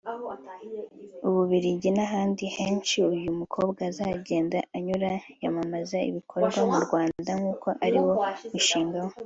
U Bubiligi n'ahandi henshi uyu mukobwa azagenda anyura yamamaza ibikorerwa mu Rwanda nkuko ariwo mushinga we